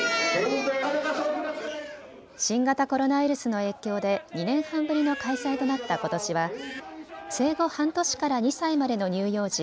新型コロナウイルスの影響で２年半ぶりの開催となったことしは生後半年から２歳までの乳幼児